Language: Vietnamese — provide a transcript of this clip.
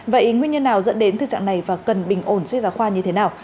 vậy nguyên nhân nào dẫn đến thực trạng này và cần bình ổn sách giáo khoa như thế nào